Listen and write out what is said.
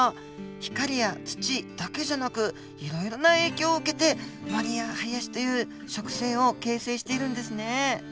光や土だけじゃなくいろいろな影響を受けて森や林という植生を形成しているんですね。